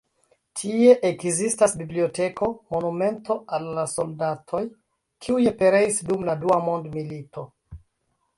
Tie ekzistas biblioteko, monumento al la soldatoj, kiuj pereis dum la Dua Mondmilito.